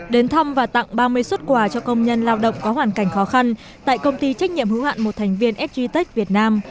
đến thăm và tặng ba mươi xuất quà cho công nhân lao động có hoàn cảnh khó khăn tại công ty trách nhiệm hữu hạn một thành viên sgc việt nam